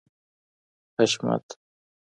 حشمت